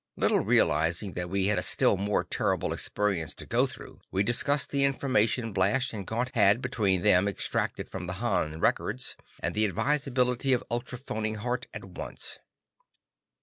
Little realizing that we had a still more terrible experience to go through, we discussed the information Blash and Gaunt had between them extracted from the Han records, and the advisability of ultrophoning Hart at once.